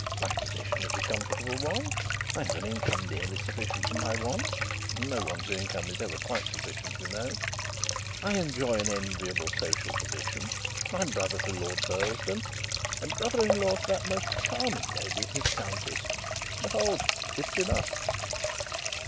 My position is a comfortable one. I have an income nearly sufficient for my wants (no one's income is ever quite sufficient, you know), I enjoy an enviable social position: I am brother to Lord Burlesdon, and brother in law to that charming lady, his countess. Behold, it is enough!"